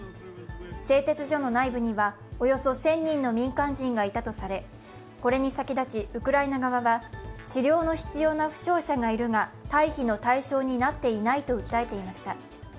製鉄所の内部にはおよそ１０００人の民間人がいたとされこれに先立ち、ウクライナ側は治療の必要な負傷者がいるが、退避の対象になっていないと訴えていました。